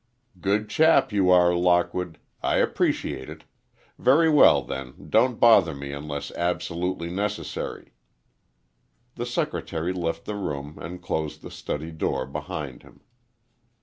"Good chap you are, Lockwood. I appreciate it. Very well, then, don't bother me unless absolutely necessary." The secretary left the room and closed the study door behind him.